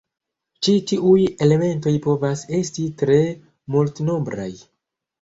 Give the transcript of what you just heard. Ĉi tiuj elementoj povas esti tre multnombraj.